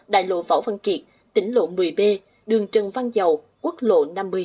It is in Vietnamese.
đại lộ võ văn kiệt tỉnh lộ một mươi b đường trần văn dầu quốc lộ năm mươi